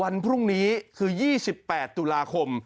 วันพรุ่งนี้คือ๒๘ตุลาคม